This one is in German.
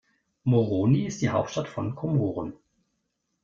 Moroni ist die Hauptstadt von Komoren.